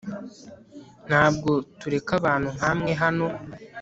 ntabwo tureka abantu nkamwe hano